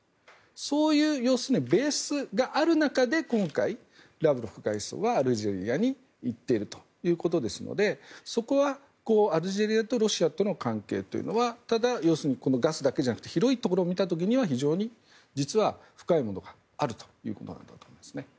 そういうベースがある中で今回、ラブロフ外相がアルジェリアに行っているということですのでそこはアルジェリアとロシアとの関係というのはただ要するにガスだけじゃなくて広いところを見た時には非常に実は深いものがあるということなんだと思いますね。